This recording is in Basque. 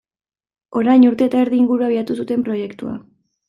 Orain urte eta erdi inguru abiatu zuten proiektua.